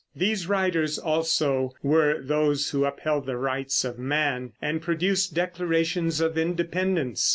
These writers, also, were those who upheld the rights of man, and produced declarations of independence.